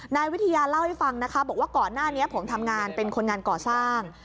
นายวิทยาเล่าให้ฟังนะคะบอกว่าก่อนหน้านี้ผมทำงานเป็นคนงานก่อสร้าง